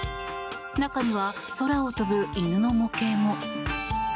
中には、空を飛ぶ犬の模型も。